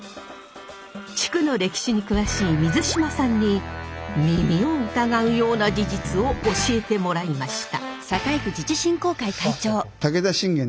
地区の歴史に詳しい水島さんに耳を疑うような事実を教えてもらいました。